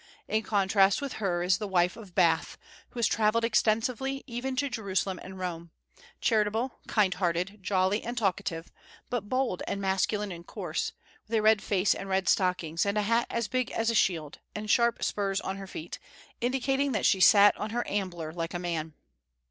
In contrast with her is the wife of Bath, who has travelled extensively, even to Jerusalem and Rome; charitable, kind hearted, jolly, and talkative, but bold and masculine and coarse, with a red face and red stockings, and a hat as big as a shield, and sharp spurs on her feet, indicating that she sat on her ambler like a man.